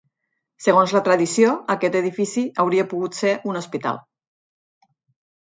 Segons la tradició aquest edifici hauria pogut ser un hospital.